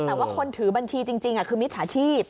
แต่ว่าคนถือบัญชีจริงอะคือมิจฉภาพถูกต้อง